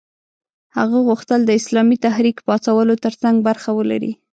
هغه غوښتل د اسلامي تحریک پاڅولو ترڅنګ برخه ولري.